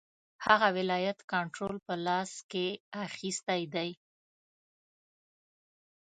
هغه ولایت کنټرول په خپل لاس کې اخیستی دی.